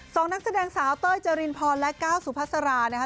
นักแสดงสาวเต้ยเจรินพรและก้าวสุภาษารานะคะ